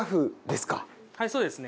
はいそうですね。